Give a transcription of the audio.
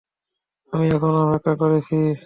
আমি এখনও অপেক্ষা করছি।